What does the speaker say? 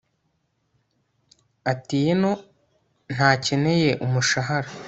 atieno ntakeneye umushahara